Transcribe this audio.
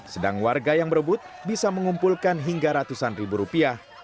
sedang warga yang berebut bisa mengumpulkan hingga ratusan ribu rupiah